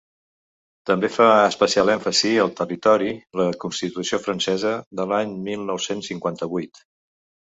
També fa especial èmfasi al territori la constitució francesa, de l’any mil nou-cents cinquanta-vuit.